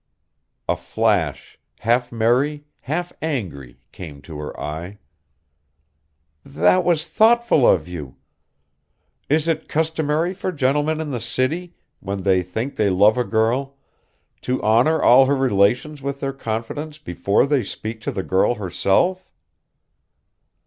A flash, half merry, half angry, came to her eye. "That was thoughtful of you. Is it customary for gentlemen in the city, when they think they love a girl, to honor all her relations with their confidence before they speak to the girl herself?"